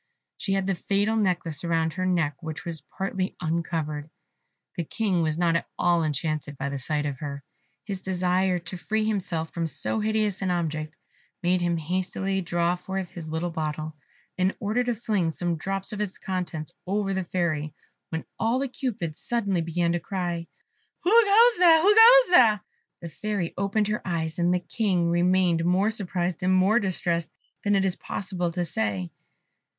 She had the fatal necklace round her neck, which was partly uncovered. The King was not at all enchanted by the sight of her. His desire to free himself from so hideous an object made him hastily draw forth his little bottle, in order to fling some drops of its contents over the Fairy, when all the Cupids suddenly began to cry, "Who goes there? who goes there?" The Fairy opened her eyes, and the King remained more surprised and more distressed than it is possible to say.